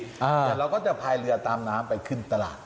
แต่เราก็จะพายเรือตามน้ำไปขึ้นตลาด